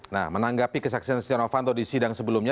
nah menanggapi kesaksian stiano fanto di sidang sebelumnya